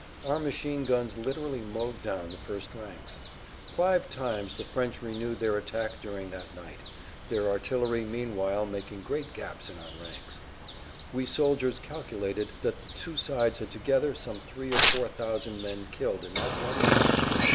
Our machine guns literally mowed down the first ranks. Five times the French renewed their attack during that night, their artillery meanwhile making great gaps in our ranks. We soldiers calculated that the two sides had together some three or four thousand men killed in that one night.